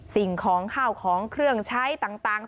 สิ่งของข้าวของเครื่องใช้ต่าง